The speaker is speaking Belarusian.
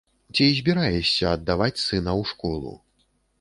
Ці збіраешся аддаваць сына ў школу?